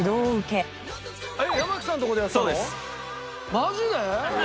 マジで！？